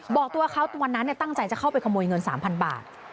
บอกตัวเขาวันนั้นตั้งใจจะเข้าไปขโมยเงิน๓๐๐บาท